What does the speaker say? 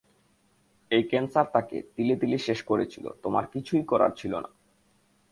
এই ক্যান্সার তাকে তিলে তিলে শেষ করেছিলো তোমার কিছুই করার ছিলো না।